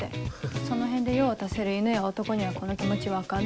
その辺で用を足せる犬や男にはこの気持ち分かんないんですよ。